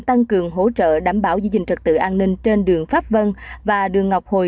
tăng cường hỗ trợ đảm bảo giữ gìn trật tự an ninh trên đường pháp vân và đường ngọc hồi